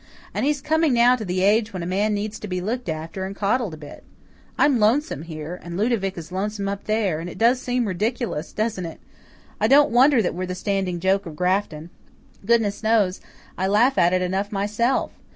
And he's coming now to the age when a man needs to be looked after and coddled a bit. I'm lonesome here, and Ludovic is lonesome up there, and it does seem ridiculous, doesn't it? I don't wonder that we're the standing joke of Grafton. Goodness knows, I laugh at it enough myself.